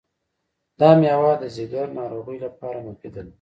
دا مېوه د ځیګر ناروغیو لپاره مفیده ده.